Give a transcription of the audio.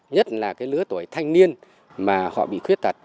nhất là cái lứa tuổi thanh niên mà họ bị khuyết tật